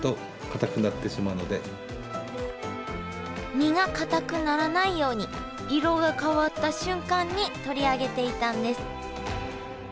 身がかたくならないように色が変わった瞬間に取り上げていたんです。